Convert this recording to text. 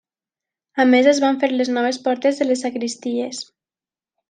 A més es van fer les noves portes de les sagristies.